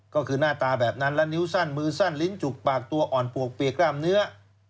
ก็คือหน้าตาแบบนั้นและนิ้วสั้นมือสั้นลิ้นจุกปากตัวอ่อนปวกเปียกกล้ามเนื้อ